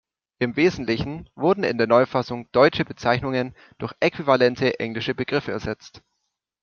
Im Wesentlichen wurden in der Neufassung deutsche Bezeichnungen durch äquivalente englische Begriffe ersetzt.